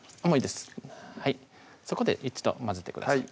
そこで一度混ぜてください